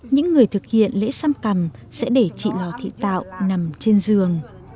những người thực hiện lễ xăm cằm sẽ để chị lò thị tạo nằm trên giường